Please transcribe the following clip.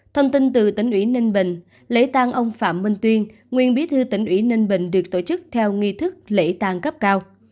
thông tin từ tỉnh ủy ninh bình lễ tang ông phạm minh tuyên nguyên bí thư tỉnh ủy ninh bình được tổ chức theo nghi thức lễ tang cấp cao